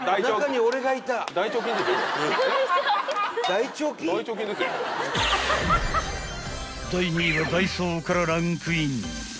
［第２位はダイソーからランクイン］